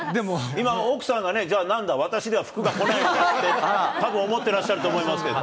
今、奥さんがね、じゃあ、なんだ、私では福が来ないのかって、たぶん思ってらっしゃると思いますけど。